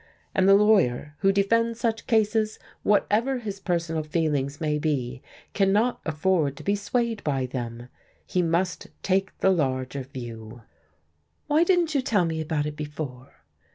And the lawyer who defends such cases, whatever his personal feelings may be, cannot afford to be swayed by them. He must take the larger view." "Why didn't you tell me about it before?"